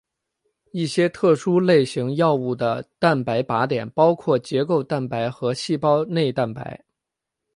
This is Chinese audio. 一些特殊类型药物的蛋白靶点包括结构蛋白和细胞内蛋白。